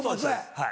はい。